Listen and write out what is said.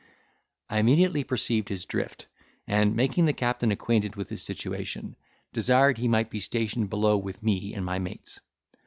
I immediately perceived his drift, and making the captain acquainted with his situation, desired he might be stationed below with me and my mates.